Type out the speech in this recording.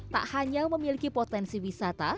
tak hanya memiliki potensi wisata